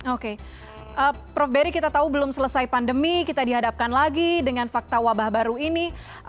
oke prof berry kita tahu belum selesai pandemi kita dihadapkan lagi dengan fakta wabah baru ini